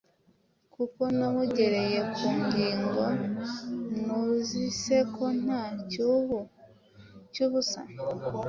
Kuko namugereye ku ngingo! Ntuzi se ko nta cy’ubu cy’ubusa!